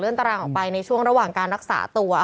ตารางออกไปในช่วงระหว่างการรักษาตัว